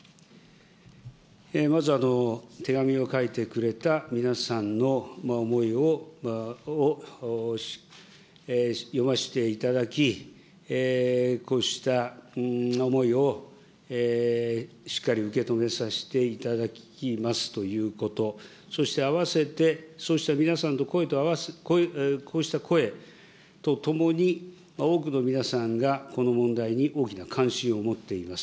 まず、手紙を書いてくれた皆さんの思いを読ませていただき、こうした思いをしっかり受け止めさせていただきますということ、そしてあわせて、そうした皆さんの声、こうした声とともに、多くの皆さんがこの問題に大きな関心を持っています。